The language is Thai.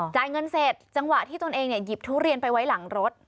จ่ายเงินเสร็จจังหวะที่ตนเองหยิบทุเรียนไปไว้หลังรถ